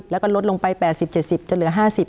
แล้วก็ลดลงไป๘๐๗๐จะเหลือ๕๐